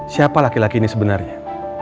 siapa laki laki ini sebenarnya